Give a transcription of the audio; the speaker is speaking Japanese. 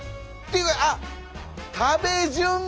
あっ！